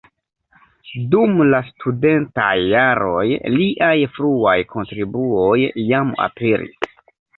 Dum la studentaj jaroj liaj fruaj kontribuoj jam aperis.